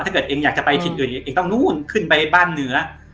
เองอยากจะไปชิดอื่นเองต้องนู่นขึ้นไปบ้านเหนือ